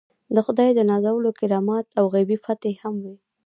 د خدای د نازولو کرامات او غیبي فتحې هم وي.